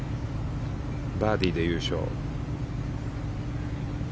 バーディーで優勝。